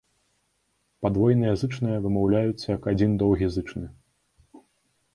Падвойныя зычныя вымаўляюцца як адзін доўгі зычны.